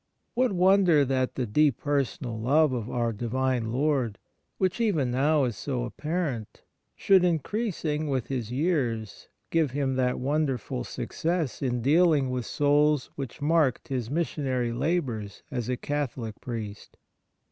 What wonder that the deep personal love of our Divine Lord, which even now is so apparent, should, increasing with his years, give him that wonderful success in dealing with souls which marked his mis sionary labours as a Catholic priest